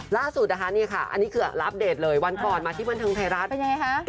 ล่าสุดนะคะอันนี้คือรับเดทเลยวันก่อนมาที่บริเวณทางไทยรัฐ